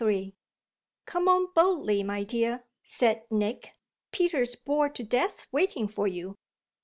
XLIII "Come on boldly, my dear," said Nick. "Peter's bored to death waiting for you."